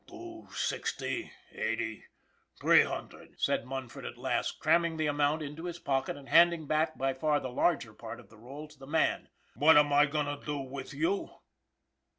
" Two sixty eighty three hundred," said Mun ford at last, cramming that amount into his pocket and handing back by far the larger part of the roll to the man. " W r hat am I goin' to do with you